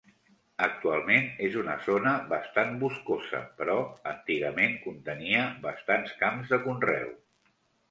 Actualment és una zona bastant boscosa, però antigament contenia bastants camps de conreu.